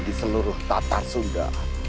di seluruh tatar sunda